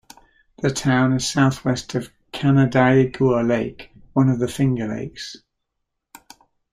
The town is southwest of Canandaigua Lake, one of the Finger Lakes.